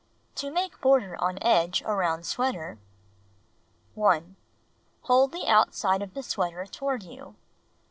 To Make Border on Edge around Sweater 1. Hold the outside of the sweater toward you.